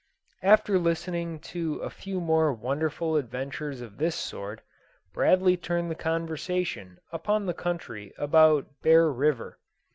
After listening to a few more wonderful adventures of this sort, Bradley turned the conversation upon the country about Bear River.